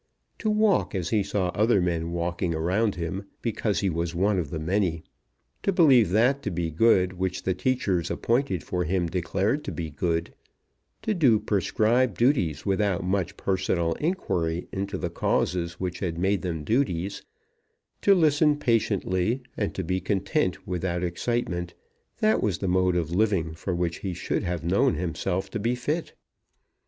To walk as he saw other men walking around him, because he was one of the many; to believe that to be good which the teachers appointed for him declared to be good; to do prescribed duties without much personal inquiry into the causes which had made them duties; to listen patiently, and to be content without excitement; that was the mode of living for which he should have known himself to be fit.